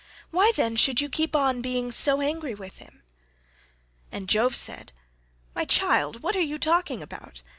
Why then should you keep on being so angry with him?" And Jove said, "My child, what are you talking about?